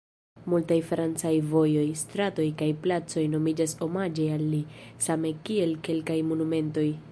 Multaj francaj vojoj, stratoj kaj placoj nomiĝas omaĝe al li, same kiel kelkaj monumentoj.